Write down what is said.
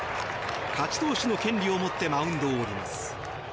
勝ち投手の権利を持ってマウンドを降ります。